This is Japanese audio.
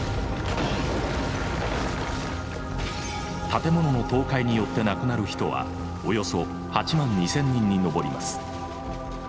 建物の倒壊によって亡くなる人はおよそ８万２，０００人に上ります。